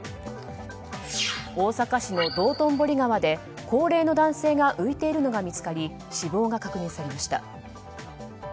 大阪市の道頓堀川で高齢の男性が浮いているのが見つかり死亡が確認されました。